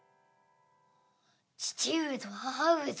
父上と母上ぞ！